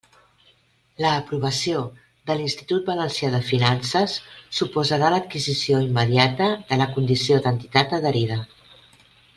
L'aprovació de l'Institut Valencià de Finances suposarà l'adquisició immediata de la condició d'entitat adherida.